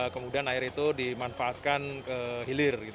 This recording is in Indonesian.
kemudian air itu dimanfaatkan ke hilir